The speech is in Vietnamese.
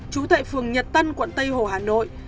trú tại phường nhật tân quận tây hồ hà nội